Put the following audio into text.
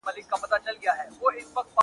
بس لکه تندر پر مځکه لوېږې-